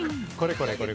これこれ！